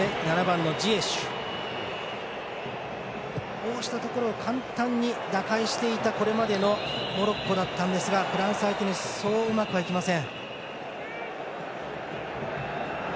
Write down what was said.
こうしたところを簡単に打開していたモロッコだったんですがフランス相手にそううまくはいきません。